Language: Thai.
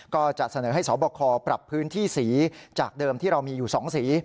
ก็จะเสนอให้สบคปรับพื้นที่สีจากเดิมที่เรามีอยู่๒สี